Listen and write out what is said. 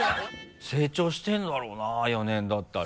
成長してるんだろうな４年だったら。